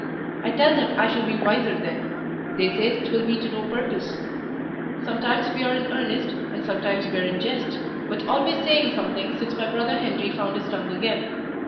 I tell them I shall be wiser then. They say 'twill be to no purpose. Sometimes we are in earnest and sometimes in jest, but always saying something since my brother Henry found his tongue again.